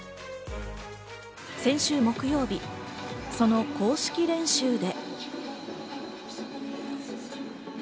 先週木曜日、その公式練習で。